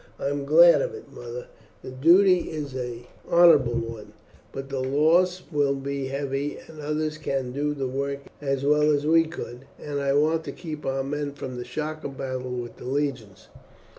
"I am glad of it, mother. The duty is an honourable one, but the loss will be heavy, and others can do the work as well as we could, and I want to keep our men for the shock of battle with the legions.